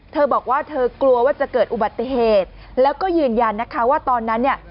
เธอบอกว่าเธอกลัวว่าจะเกิดอุบัติเหตุแล้วก็ยืนยันนะคะว่าตอนนั้นเนี่ย